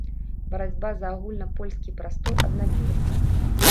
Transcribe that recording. Барацьба за агульнапольскі прастол аднавілася.